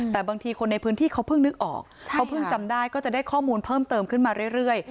แต่บางทีคนในพื้นที่เขาเพิ่งนึกออกเขาเพิ่งจำได้ก็จะได้ข้อมูลเพิ่มเติมขึ้นมาเรื่อย